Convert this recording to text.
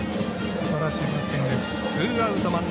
すばらしいバッティングです。